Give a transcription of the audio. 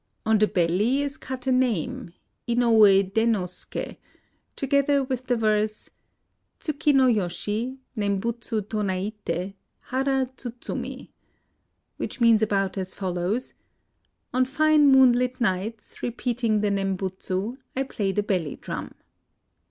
On the belly is cut a name, Inouye Dennosuke, together with the verse :— TsuM yo yoshi Nembutsu tonaite Hara tsudzuini. Which means about as follows :—" On fine moonlight nights, repeating the Nembutsu, I play the belly drum."